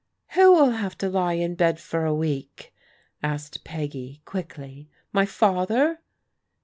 '*" Who'll have to lie in bed for a week?" asked Peggy quickly. "My father?"